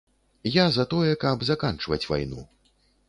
Я за тое, каб заканчваць вайну.